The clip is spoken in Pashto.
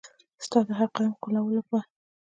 ستا د هرقدم ښکالو به